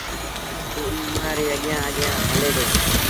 تا اوٚ اُئآݩٚ ري اڳيآنٚ اڳيآنٚ هلي دو